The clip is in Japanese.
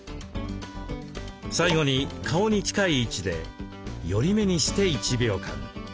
最後に顔に近い位置で寄り目にして１秒間。